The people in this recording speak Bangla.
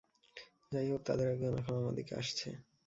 যাইহোক, তাদের একজন এখন আমার দিকে আসছে।